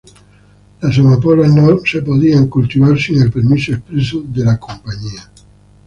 Las amapolas no podían ser cultivadas sin el permiso expreso de la "Compañía".